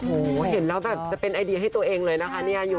โอ้โหเห็นแล้วแบบจะเป็นไอเดียให้ตัวเองเลยนะคะเนี่ย